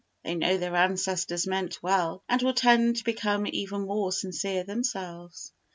They know their ancestors meant well and will tend to become even more sincere themselves.